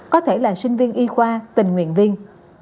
có thể là sinh viên y khoa tình nguyện viên